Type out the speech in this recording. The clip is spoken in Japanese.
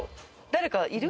誰かいる？